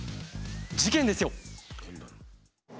事件ですよ。